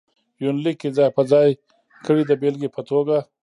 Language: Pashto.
يونليک کې ځاى په ځاى کړي د بېلګې په توګه: